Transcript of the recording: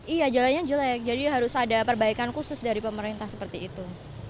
iya jalannya jelek jadi harus ada perbaikan khusus dari pemerintah seperti itu